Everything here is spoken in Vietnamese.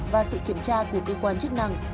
và sự kiểm tra của cơ quan chức năng